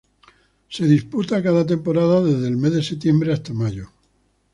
Se disputa cada temporada desde el mes de Septiembre hasta Mayo.